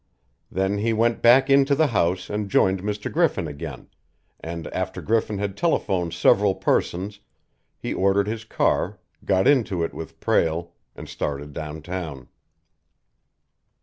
Then he went back into the house and joined Mr. Griffin again, and after Griffin had telephoned several persons, he ordered his car, got into it with Prale, and started downtown.